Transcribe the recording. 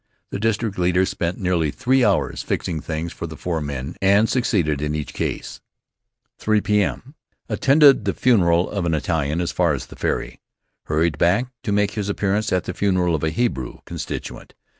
The district leader spent nearly three hours fixing things for the four men, and succeeded in each case. 3 P.M.: Attended the funeral of an Italian as far as the ferry. Hurried back to make his appearance at the funeral of a Hebrew constituent.